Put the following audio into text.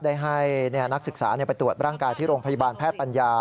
ได้ให้นักศึกษาไปตรวจร่างกายที่โรงพยาบาลแพทย์ปัญญา